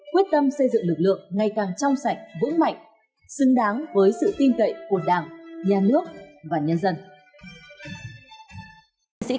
quyết tâm xây dựng lực lượng ngày càng trong sạch vững mạnh xứng đáng với sự tin cậy của đảng nhà nước và nhân dân